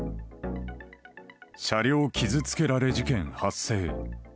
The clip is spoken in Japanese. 車両傷つけられ事件発生。